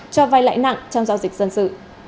cho vai lãi nặng trong giao dịch dân sự